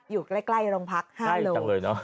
อยู่ใกล้โรงพัก๕โลจังเลยเนอะ